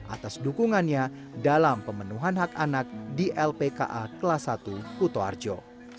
atas dukungannya dalam pemenuhan hak anak di lpka kelas satu kutoarjo